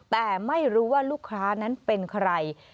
แต่ไม่รู้ว่าลูกค้านั้นเป็นใคร